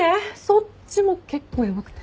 そっちも結構ヤバくて。